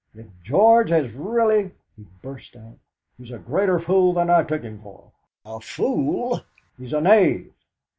"If George has really," he burst out, "he's a greater fool than I took him for! A fool? He's a knave!"